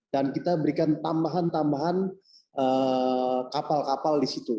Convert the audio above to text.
dan kita berikan tambahan tambahan kapal kapal di situ